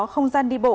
không gian đi bộ